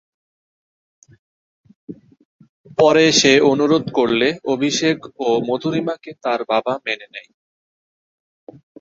পরে সে অনুরোধ করলে "অভিষেক" ও "মধুরিমা"কে তার বাবা মেনে নেয়।